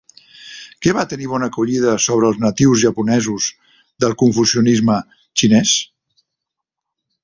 Què va tenir bona acollida sobre els natius japonesos del confucianisme xinès?